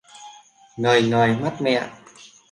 Ngời ngời mắt mẹ